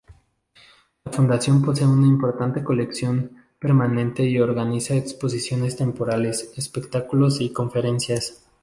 La fundación posee una importante colección permanente y organiza exposiciones temporales, espectáculos y conferencias.